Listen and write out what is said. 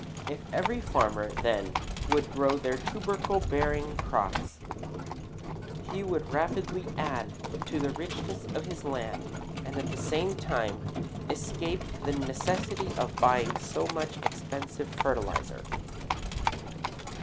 If every farmer, then, would grow these tubercle bearing crops, he would rapidly add to the richness of his land and at the same time escape the necessity of buying so much expensive fertilizer.